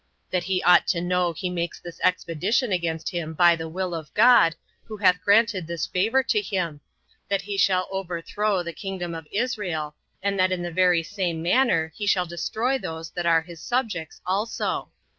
That he ought to know he makes this expedition against him by the will of God, who hath granted this favor to him, that he shall overthrow the kingdom of Israel, and that in the very same manner he shall destroy those that are his subjects also.